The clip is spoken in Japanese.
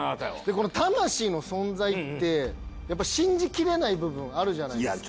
この魂の存在ってやっぱり信じきれない部分あるじゃないですか。